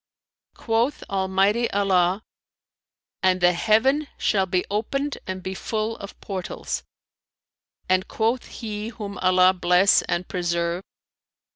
"Quoth Almighty Allah, 'And the heaven shall be opened and be full of portals;'[FN#339] and quoth he whom Allah bless and preserve!